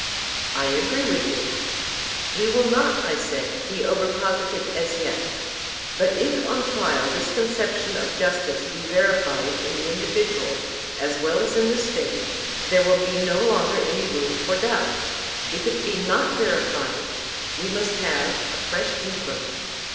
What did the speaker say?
I agree with you. We will not, I said, be over positive as yet; but if, on trial, this conception of justice be verified in the individual as well as in the State, there will be no longer any room for doubt; if it be not verified, we must have a fresh enquiry.